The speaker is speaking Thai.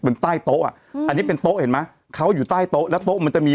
ใต้โต๊ะอ่ะอืมอันนี้เป็นโต๊ะเห็นไหมเขาอยู่ใต้โต๊ะแล้วโต๊ะมันจะมี